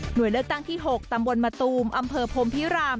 โดยเลือกตั้งที่๖ตำบลมะตูมอำเภอพรมพิราม